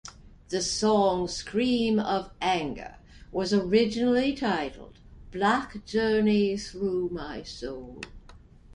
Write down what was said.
The song "Scream of Anger" was originally titled "Black Journey Through My Soul".